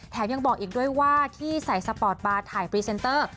ยังบอกอีกด้วยว่าที่ใส่สปอร์ตบาร์ถ่ายพรีเซนเตอร์